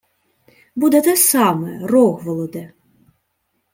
— Буде те саме, Рогволоде.